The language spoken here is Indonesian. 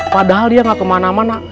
padahal dia gak kemana mana